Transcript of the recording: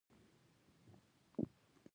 صورت کې که بل کار وي، پولیسو نیولي نه وي.